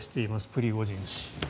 プリゴジン氏。